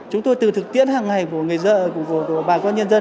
chúng tôi từ thực tiễn hàng ngày của người vợ của bà con nhân dân